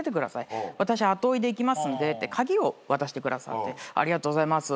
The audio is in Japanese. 「私後追いで行きますんで」って鍵を渡してくださってありがとうございますって。